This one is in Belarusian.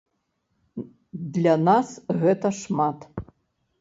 Для нас гэта шмат.